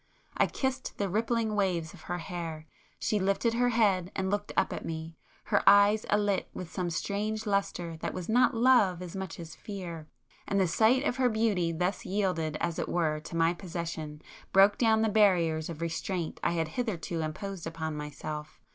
I kissed the rippling waves of her hair; she lifted her head and looked up at me, her eyes alit with some strange lustre that was not love as much as fear,—and the sight of her beauty thus yielded as it were to my possession, broke down the barriers of restraint I had hitherto imposed upon myself.